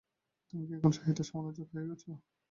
তুমি কি এখন সাহিত্য সমালোচক হয়ে গেছ?